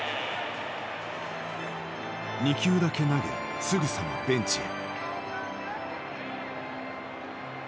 ２球だけ投げすぐさまベンチへ。